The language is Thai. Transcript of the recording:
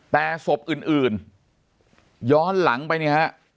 แต่ศพอื่นย้อนหลังไปนะครับ